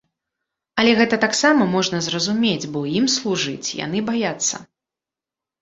Але гэта таксама можна зразумець, бо ім служыць, яны баяцца.